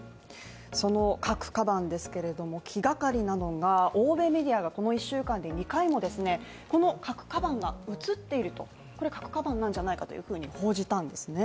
その核カバンですけども気がかりなのが、欧米メディアがこの１週間で２回も、この核カバンが映っていると、これは核カバンなんじゃないかと報じたんですね。